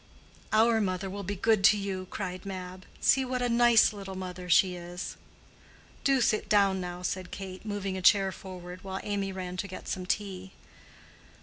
"Our mother will be good to you," cried Mab. "See what a nice little mother she is!" "Do sit down now," said Kate, moving a chair forward, while Amy ran to get some tea.